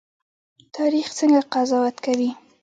تاریخ څنګه قضاوت کوي؟